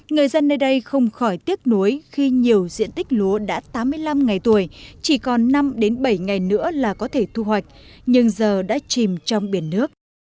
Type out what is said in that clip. người dân nơi đây không khỏi tiếc nuối khi nhiều diện tích lúa đã tám mươi năm ngày tuổi chỉ còn năm bảy ngày nữa là có thể thu hoạch nhưng giờ đã chìm trong biển nước